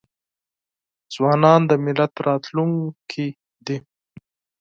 ځوانان د ملت راتلونکې دي.